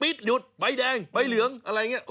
หยุดใบแดงใบเหลืองอะไรอย่างนี้